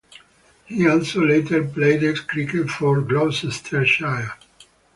He also later played cricket for Gloucestershire.